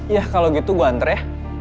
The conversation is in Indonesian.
iya kalau gitu gue antar ya